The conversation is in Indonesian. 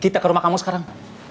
kita ke rumah kamu sekarang